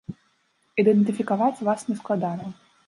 Ідэнтыфікаваць вас не складана.